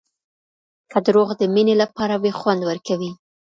که دروغ د مینې لپاره وي خوند ورکوي.